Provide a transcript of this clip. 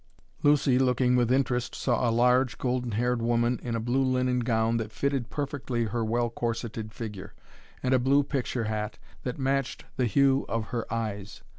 Lucy, looking with interest, saw a large, golden haired woman in a blue linen gown, that fitted perfectly her well corseted figure, and a blue picture hat, that matched the hue of her eyes.